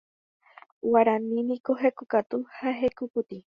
Guarani niko hekokatu ha hekopotĩ.